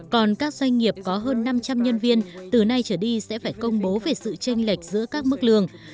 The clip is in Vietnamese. còn các doanh nghiệp có hơn năm trăm linh nhân viên từ nay trở đi sẽ phải công bố về sự tranh lệch giữa các mức lương